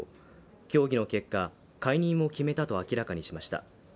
協議の結果、解任を決めたと明らかにしました。